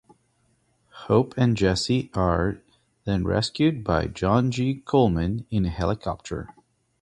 Hope and Jesse are then rescued by John G. Coleman in a helicopter.